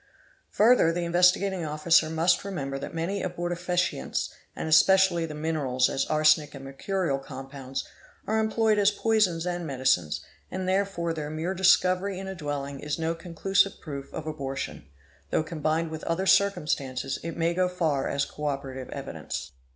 Further the Investigating Officer must remember that many abortifacients, and especially the minerals, as arsenic and Mercurial compounds, are employed as poisons and medicines; and therefore their mere discovery in a dwelling is no conclusive proof of abortion, though combined with other circumstances it may go far as orroborative evidence.